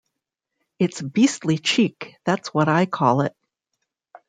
It's beastly cheek, that's what I call it.